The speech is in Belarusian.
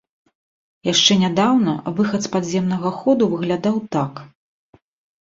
Яшчэ нядаўна выхад з падземнага ходу выглядаў так.